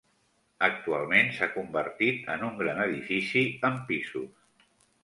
Actualment s'ha convertit en un gran edifici amb pisos.